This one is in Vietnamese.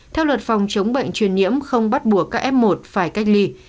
theo luật phòng chống bệnh truyền nhiễm không bắt buộc các f một phải cách ly